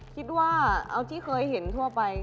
คิดว่าเอาที่เคยเห็นทั่วไป